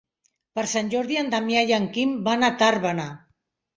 Per Sant Jordi en Damià i en Quim van a Tàrbena.